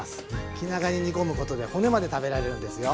気長に煮込むことで骨まで食べられるんですよ。